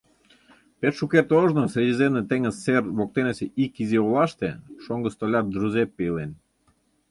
Пеш шукерте ожно, Средиземный теҥыз сер воктенсе ик изи олаште шоҥго столяр Джузеппе илен.